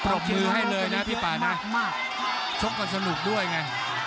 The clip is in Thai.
รบมือให้เลยนะพี่ป่านะชกกันสนุกด้วยไง